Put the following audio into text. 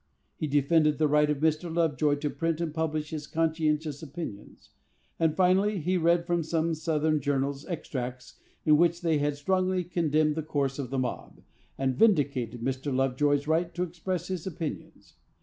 He defended the right of Mr. Lovejoy to print and publish his conscientious opinions; and, finally, he read from some Southern journals extracts in which they had strongly condemned the course of the mob, and vindicated Mr. Lovejoy's right to express his opinions.